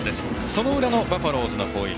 その裏のバファローズの攻撃。